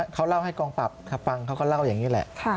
เขาเล่าให้กองปราบฟังเขาก็เล่าอย่างนี้แหละ